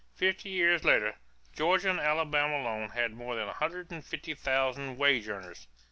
Fifty years later, Georgia and Alabama alone had more than one hundred and fifty thousand wage earners.